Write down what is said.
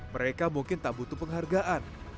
mereka mungkin tak butuh penghargaan